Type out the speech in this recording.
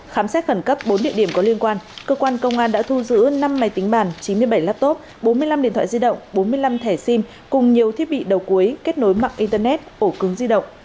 khám xét khẩn cấp bốn địa điểm có liên quan cơ quan công an đã thu giữ năm máy tính bàn chín mươi bảy laptop bốn mươi năm điện thoại di động bốn mươi năm thẻ sim cùng nhiều thiết bị đầu cuối kết nối mạng internet ổ cứng di động